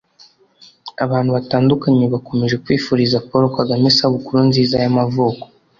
abantu batandukanye bakomeje kwifuriza Paul Kagame isabukuru nziza y’amavuko